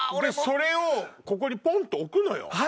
でそれをここにポンと置くのよ。